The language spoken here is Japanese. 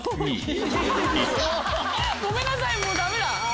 ごめんなさいダメだ。